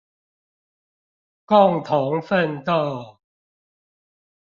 共同奮鬥